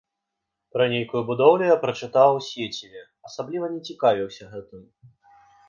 Пра нейкую будоўлю я прачытаў у сеціве, асабліва не цікавіўся гэтым.